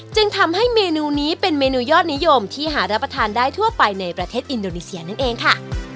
จึงทำให้เมนูนี้เป็นเมนูยอดนิยมที่หารับประทานได้ทั่วไปในประเทศอินโดนีเซียนั่นเองค่ะ